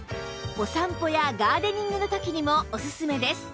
お散歩やガーデニングの時にもおすすめです